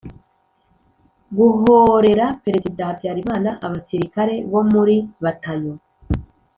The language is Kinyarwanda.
guhorera Perezida Habyarimana abasirikare bo muri batayo